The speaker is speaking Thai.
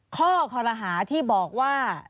ข้อคอรหาที่บอกว่า